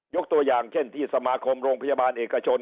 ตัวอย่างเช่นที่สมาคมโรงพยาบาลเอกชน